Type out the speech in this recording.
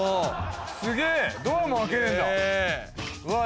すげえドアも開けれんだわー